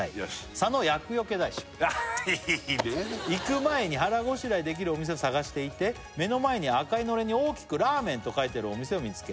「佐野厄よけ大師」ああいいね「行く前に腹ごしらえできるお店を探していて」「目の前に赤いのれんに大きくラーメンと書いてあるお店を見つけ」